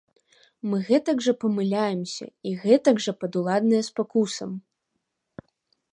Мы гэтак жа памыляемся і гэтак жа падуладныя спакусам.